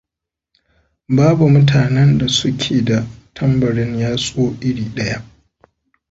Babu mutanen da su ke da tambarin yatsu iri ɗaya.